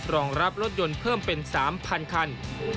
รองรับรถยนต์เพิ่มเป็น๓๐๐คัน